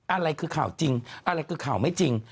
อะไรคือข่าวจริงอะไรคือข่าวไม่จริง